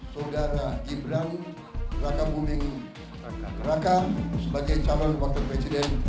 saudara gibran raka buming raka sebagai channel water president